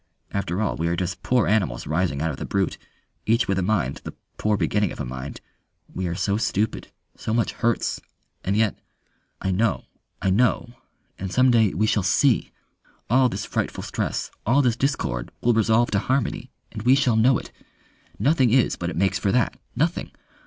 After all we are just poor animals rising out of the brute, each with a mind, the poor beginning of a mind. We are so stupid. So much hurts. And yet ... "I know, I know and some day we shall see. "All this frightful stress, all this discord will resolve to harmony, and we shall know it. Nothing is but it makes for that. Nothing.